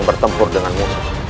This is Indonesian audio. bertempur dengan musuh